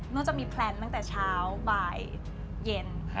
ก็จะมีแพลนตั้งแต่เช้าบ่ายเย็น